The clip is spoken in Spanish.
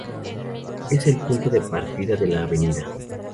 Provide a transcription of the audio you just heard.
Es el punto de partida de la av.